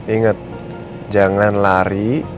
ingat jangan lari